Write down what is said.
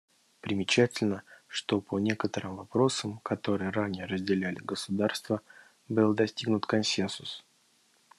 Примечательно, что по некоторым вопросам, которые ранее разделяли государства, был достигнут консенсус.